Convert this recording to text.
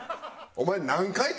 お前何回